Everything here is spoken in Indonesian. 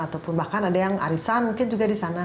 ataupun bahkan ada yang arisan mungkin juga di sana